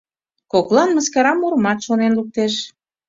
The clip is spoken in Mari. Коклан мыскара мурымат шонен луктеш...